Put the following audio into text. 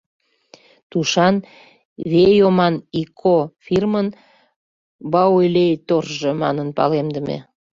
Тушан «Вейоман и Ко» фирмын баулейторжо манын палемдыме.